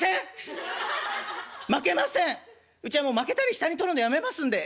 うちはもうまけたり下に取るのやめますんでええ。